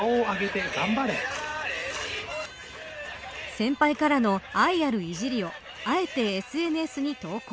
先輩からの愛あるいじりをあえてＳＮＳに投稿。